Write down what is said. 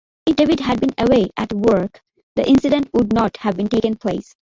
If David had been away at war, the incident would not have taken place.